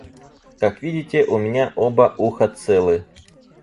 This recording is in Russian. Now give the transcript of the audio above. Как видите, у меня оба уха целы.